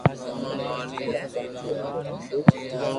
سھي ڪوم ڪرتو رھجي